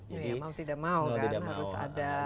iya mau tidak mau kan